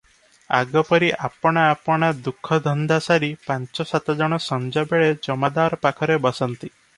ଆଗପରି ଆପଣା ଆପଣା ଦୁଃଖ ଧନ୍ଦା ସାରି ପାଞ୍ଚ ସାତ ଜଣ ସଞ୍ଜବେଳେ ଜମାଦାର ପାଖରେ ବସନ୍ତି ।